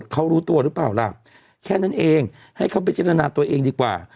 เขารู้ตัวหรือเปล่าล่ะแค่นั้นเองให้เขาไปพิจารณาตัวเองดีกว่า